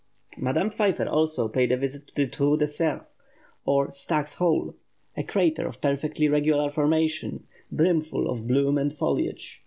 Madame Pfeiffer also paid a visit to the Trou de Cerf, or "Stag's Hole," a crater of perfectly regular formation, brimful of bloom and foliage.